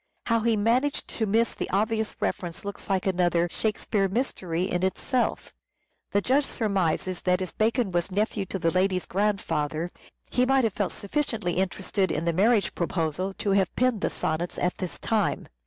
How he managed to miss the obvious inference looks like another "Shakespeare mystery" in itself. The Judge surmises that as Bacon was nephew to the lady's grandfather, he might have felt sufficiently interested in the marriage proposal to have penned the Sonnets at this time.